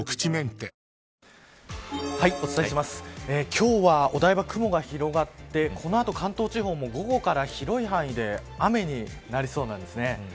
今日はお台場、雲が広がってこの後、関東地方も午後から広い範囲で雨になりそうなんですね。